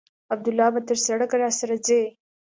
عبدالله به تر سړکه راسره ځي.